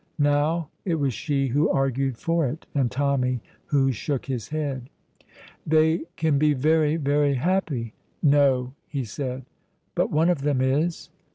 Now, it was she who argued for it and Tommy who shook his head. "They can be very, very happy." "No," he said. "But one of them is."